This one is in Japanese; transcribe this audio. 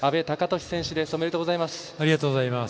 おめでとうございます。